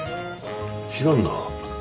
知らんなあ。